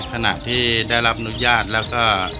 ขณะที่ได้รับอนุญาตแล้วก็